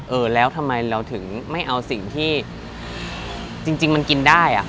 เออแล้วทำไมเราถึงไม่เอาสิ่งที่จริงมันกินได้